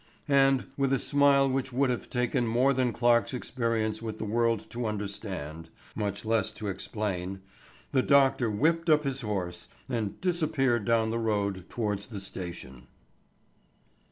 And with a smile which would have taken more than Clarke's experience with the world to understand, much less to explain, the doctor whipped up his horse and disappeared down the road towards the station.